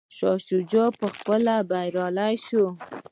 شاه شجاع په ځپلو بریالی شو.